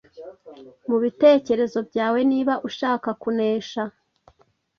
mu bitekerezo byawe niba ushaka kunesha.